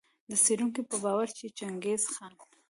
د څېړونکو په باور چي چنګیز خان